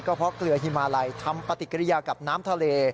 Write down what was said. เพราะเกลือฮิมาลัยทำปฏิกิริยากับน้ำทะเล